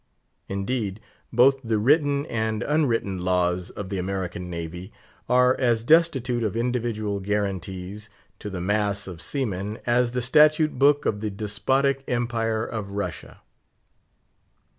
Indeed, both the written and unwritten laws of the American Navy are as destitute of individual guarantees to the mass of seamen as the Statute Book of the despotic Empire of Russia.